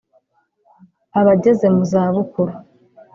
A bageze mu za bukuru